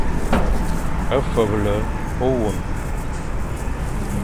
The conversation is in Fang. Feble ôwôn.